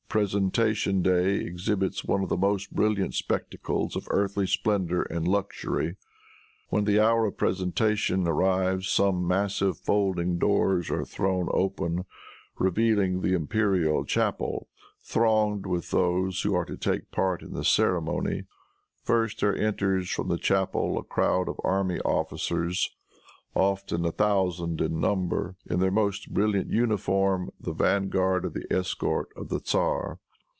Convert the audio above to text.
Presentation day exhibits one of the most brilliant spectacles of earthly splendor and luxury. When the hour of presentation arrives some massive folding doors are thrown open, revealing the imperial chapel thronged with those who are to take part in the ceremony. First, there enters from the chapel a crowd of army officers, often a thousand in number, in their most brilliant uniform, the vanguard of the escort of the tzar.